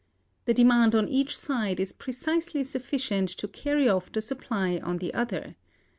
The demand on each side is precisely sufficient to carry off the supply on the other.